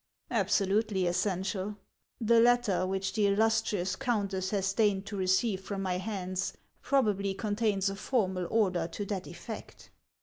" Absolutely essential. The letter which the illustrious countess has deigned to receive from my hands probably contains a formal order to that effect."